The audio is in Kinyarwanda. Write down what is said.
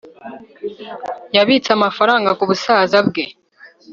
yabitse amafaranga kubusaza bwe